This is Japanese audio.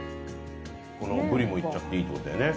このブリもいっちゃっていいってことだよね？